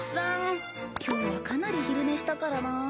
今日はかなり昼寝したからな。